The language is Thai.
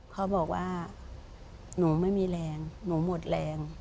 เขาบอกว่าหนูไม่มีแรงหนูหมดแรง